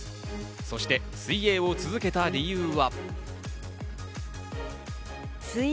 そして水泳を続けた理由は。